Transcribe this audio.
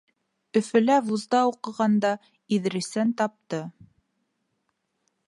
Өфөлә вузда уҡығанда Иҙрисен тапты.